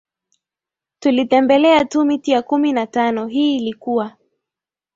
tulitembelea tu miti ya kumi na tano hii ilikuwa